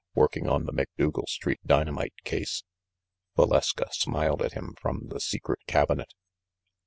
Working on the Macdougal Street dynamite case." Valeska smiled at him from the secret cabinet.